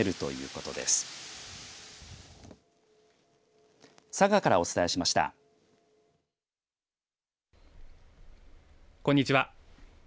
こんにちは。